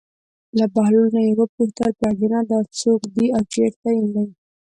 له بهلول نه یې وپوښتل: پلارجانه دا څوک دی او چېرته یې وړي.